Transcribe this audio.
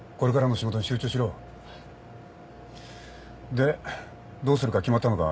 でどうするか決まったのか？